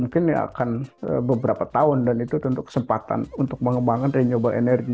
mungkin akan beberapa tahun dan itu tentu kesempatan untuk mengembangkan renewable energy